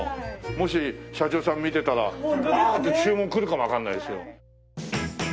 もし社長さん見てたらワー！って注文くるかもわかんないですよ。